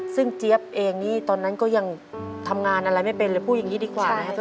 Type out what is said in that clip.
ซึ่งเจี๊ยบเองนี่ตอนนั้นก็ยังทำงานอะไรไม่เป็นเลยพูดอย่างนี้ดีกว่านะครับ